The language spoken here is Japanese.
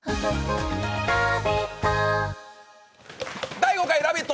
第５回「ラヴィット！」